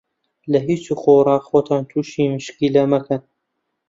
لە هیچ و خۆڕا خۆتان تووشی مشکیلە مەکەن.